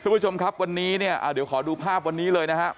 คุณผู้ชมครับวันนี้เนี่ยเดี๋ยวขอดูภาพวันนี้เลยนะครับ